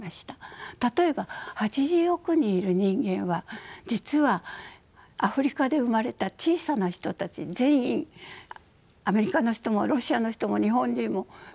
例えば８０億人いる人間は実はアフリカで生まれた小さな人たち全員アメリカの人もロシアの人も日本人もみんなおんなじなんだ。